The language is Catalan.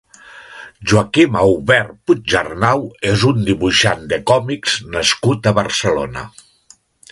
Joaquim Aubert Puigarnau és un dibuixant de còmics nascut a Barcelona.